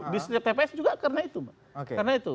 di setiap tps juga karena itu